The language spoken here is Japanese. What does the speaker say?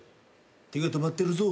手が止まってるぞ。